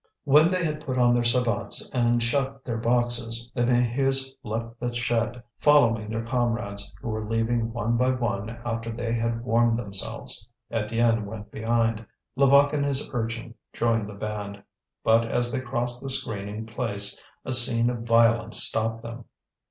When they had put on their sabots and shut their boxes, the Maheus left the shed, following their comrades, who were leaving one by one after they had warmed themselves. Étienne went behind. Levaque and his urchin joined the band. But as they crossed the screening place a scene of violence stopped them.